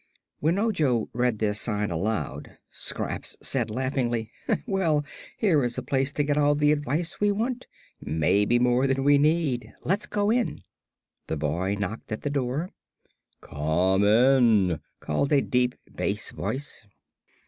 When Ojo read this sign aloud Scraps said laughingly: "Well, here is a place to get all the advice we want, maybe more than we need. Let's go in." The boy knocked at the door. "Come in!" called a deep bass voice.